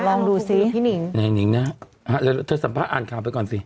ลองดูสิพี่หนิงไหนหนิงนะแล้วเธอสัมภาษณ์อ่านข่าวไปก่อนสิ